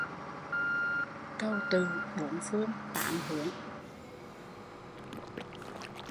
Cầu tự bốn phương tám hướng